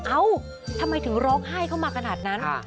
เอ้าทำไมถึงร้องไห้เข้ามาขนาดนั้น